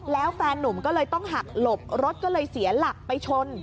แล้วแฟนนุ่มก็เลยต้องหักหลบรถก็เลยเสียหลักไปชน